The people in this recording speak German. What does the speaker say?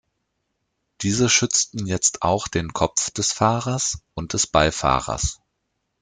Diese schützten jetzt auch den Kopf des Fahrers und des Beifahrers.